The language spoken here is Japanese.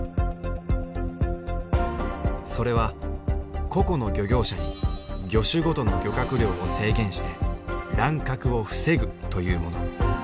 それは個々の漁業者に魚種ごとの漁獲量を制限して乱獲を防ぐというもの。